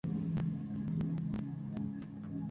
Es uno de los principales polos turísticos de Temuco.